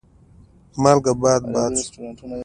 مالګه باد باد شوه.